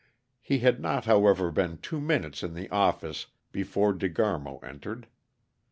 He had not, however, been two minutes in the office before De Garmo entered.